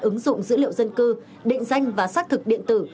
ứng dụng dữ liệu dân cư định danh và xác thực điện tử